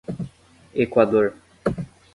Equador